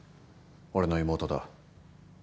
俺の妹だ。